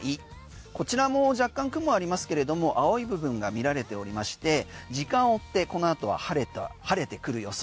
こちらも若干、雲ありますが青い部分が見られておりまして時間を追って、このあとは晴れてくる予想。